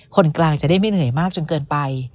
คนกลางจะได้ไม่เหนื่อยมากจนเกินไป